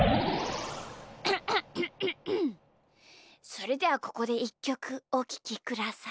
それではここでいっきょくおききください。